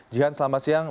jihan selamat siang